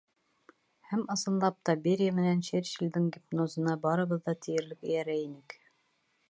Һәм, ысынлап та, Берия менән Черчиллдең «гипноз»ына барыбыҙ ҙа тиерлек эйәрә инек.